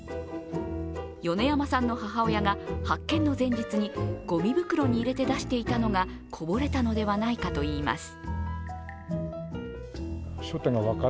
米山さんの母親が発見の前日にごみ袋に入れて出していたのがこぼれたのではないかといいます。